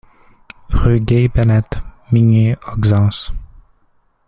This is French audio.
Rue Guille Belette, Migné-Auxances